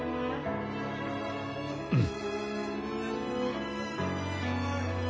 うん。